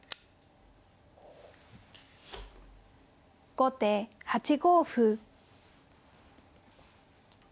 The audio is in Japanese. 後手８五歩。